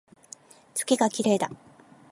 月が綺麗だ